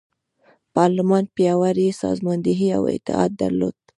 پارلمان پیاوړې سازماندهي او اتحاد درلود.